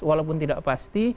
walaupun tidak pasti